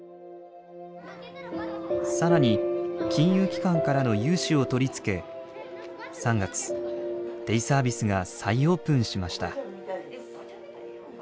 更に金融機関からの融資を取り付け３月デイサービスが再オープンしました。